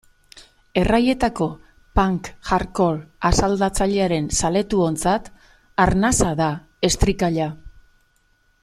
Erraietako punk-hardcore asaldatzailearen zaletuontzat arnasa da Estricalla.